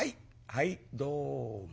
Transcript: はいどうも。